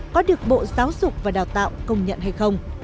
có được bộ giáo dục và đào tạo công nhận hay không